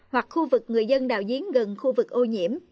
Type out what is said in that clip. hoặc khu vực người dân đào giếng gần khu vực ô nhiễm